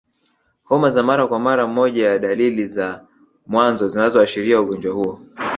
Homa za mara kwa mara moja ya dalili za mwanzo zinazoashiria ugonjwa huo